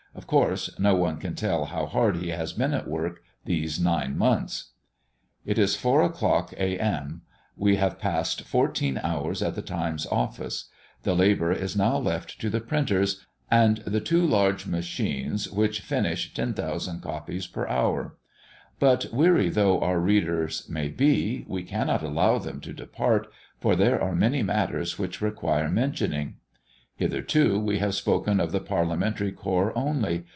Of course, no one can tell how hard he has been at work these nine months. It is four o'clock, A.M. We have passed fourteen hours at the Times' office. The labour is now left to the printers; and the two large machines which finish 10,000 copies per hour. But weary though our readers may be, we cannot allow them to depart, for there are many matters which require mentioning. Hitherto we have spoken of the Parliamentary corps only.